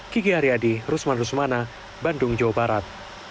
kiki haryadi rusman rusmana bandung jawa barat